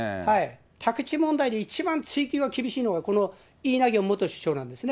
宅地問題で一番追及が厳しいのが、イ・ナギョン元首相なんですね。